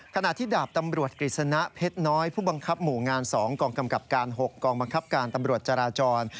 ขณะที่ดาบตำรวจกฤษณะเพชรน้อยผู้บังคับหมู่งาน๒กองกำกับการ๖กองบังคับการตำรวจจราจร